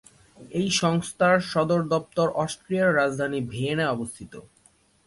এই সংস্থার সদর দপ্তর অস্ট্রিয়ার রাজধানী ভিয়েনায় অবস্থিত।